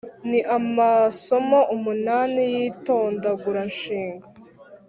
Ni amasomo umunani y’itondaguranshinga.